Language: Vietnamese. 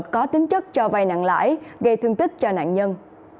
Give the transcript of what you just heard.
có tính chất cho vay nặng lãi gây thương tích cho nạn nhân